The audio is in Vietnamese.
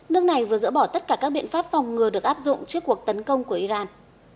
nước này vừa dỡ bỏ tất cả các biện pháp phòng ngừa được áp dụng trước cuộc tấn công của iran